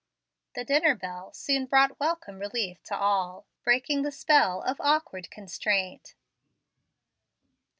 The dinner bell soon brought welcome relief to all, breaking the spell of awkward constraint.